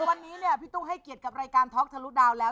วันนี้พี่ตุ๊กให้เกียรติกับรายการทอล์กทะลุดาวแล้ว